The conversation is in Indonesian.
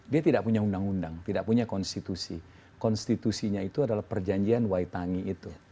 dia tidak punya undang undang tidak punya konstitusi konstitusinya itu adalah perjanjian waitangi itu